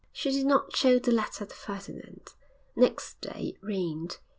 "_' She did not show the letter to Ferdinand. Next day it rained.